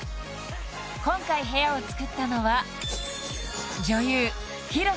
今回部屋を作ったのは女優